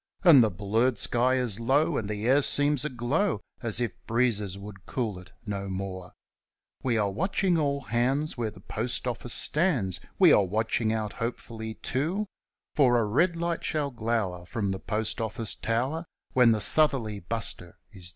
And the blurred sky is low. and the air seems aglow As if breezes would cool it no more. But we watch from The Shore (and a few places more) And we're looking out hopefully, too For a red light shall glower from the Post Office tower When the Southerly Buster is due.